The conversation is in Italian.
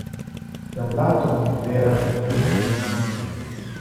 Da un lato, Vehrehan e miss Bigland.